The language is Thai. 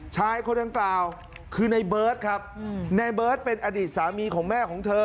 ชายคนดังกล่าวคือในเบิร์ตครับในเบิร์ตเป็นอดีตสามีของแม่ของเธอ